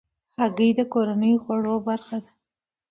هګۍ د کورنیو خوړو برخه ده.